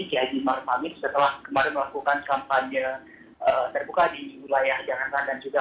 dihaji marmangit setelah kemarin melakukan kampanye terbuka di wilayah jakarta dan juga